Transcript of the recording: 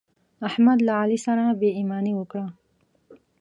احمد له علي سره بې ايماني وکړه.